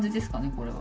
これは。